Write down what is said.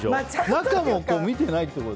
中も見てないってこと？